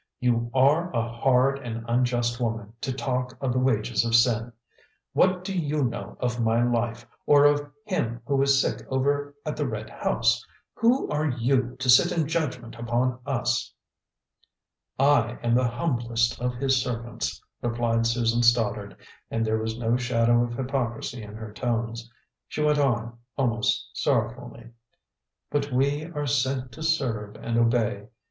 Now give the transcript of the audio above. "You are a hard and unjust woman, to talk of the 'wages of sin.' What do you know of my life, or of him who is sick over at the red house? Who are you, to sit in judgment upon us?" "I am the humblest of His servants," replied Susan Stoddard, and there was no shadow of hypocrisy in her tones. She went on, almost sorrowfully: "But we are sent to serve and obey.